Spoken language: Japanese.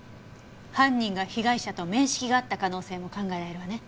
犯人が被害者と面識があった可能性も考えられるわね。